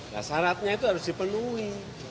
nah syaratnya itu harus dipenuhi